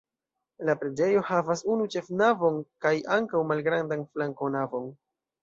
La preĝejo havas unu ĉefnavon kaj ankaŭ malgrandan flankonavon.